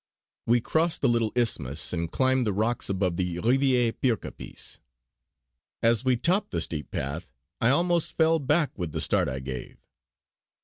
We crossed the little isthmus and climbed the rocks above the Reivie o' Pircappies. As we topped the steep path I almost fell back with the start I gave.